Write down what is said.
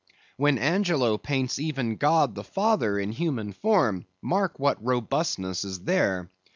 When Angelo paints even God the Father in human form, mark what robustness is there.